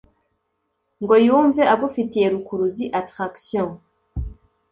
ngo yumve agufitiye rukuruzi (attraction)